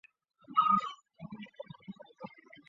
黄毛雪山杜鹃为杜鹃花科杜鹃属下的一个变种。